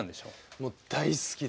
もう大好きで。